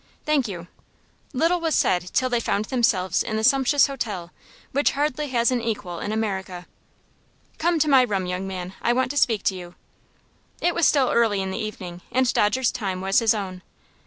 "Thank you." Little was said till they found themselves in the sumptuous hotel, which hardly has an equal in America. "Come to my room, young man; I want to speak to you." It was still early in the evening, and Dodger's time was his own.